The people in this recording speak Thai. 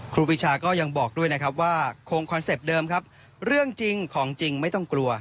ครูปีชาก็ยังบอกด้วยนะครับว่าโครงคอนเซ็ปต์เดิมครับเรื่องจริงของจริงไม่ต้องกลัว